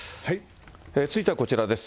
続いてはこちらです。